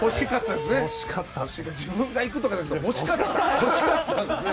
自分が行くとかじゃなくて欲しかったんですね。